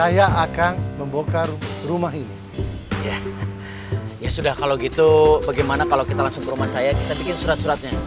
ya sudah kalau gitu bagaimana kalau kita langsung ke rumah saya kita bikin surat suratnya